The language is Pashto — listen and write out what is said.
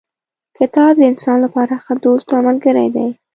کتاب د انسان لپاره ښه دوست او ملګری دی.